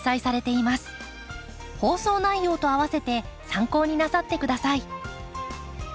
放送内容と併せて参考になさってください。